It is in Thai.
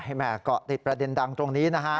แม่เกาะติดประเด็นดังตรงนี้นะฮะ